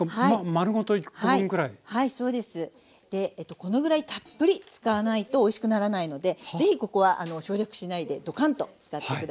このぐらいたっぷり使わないとおいしくならないので是非ここは省略しないでドカンと使って下さい。